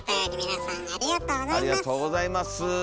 ありがとうございます。